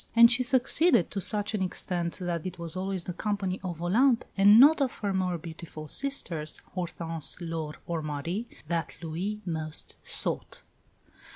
And she succeeded to such an extent that it was always the company of Olympe, and not of her more beautiful sisters, Hortense, Laure, or Marie, that Louis most sought.